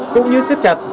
cũng như siết chặt